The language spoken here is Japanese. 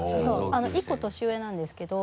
１個年上なんですけど。